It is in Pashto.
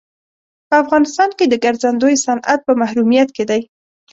په افغانستان کې د ګرځندوی صنعت په محرومیت کې دی.